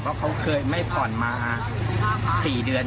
เพราะเขาเคยไม่ผ่อนมา๔เดือน